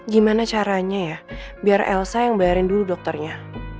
gimana caranya ya biar elsa yang bayarin dulu dokternya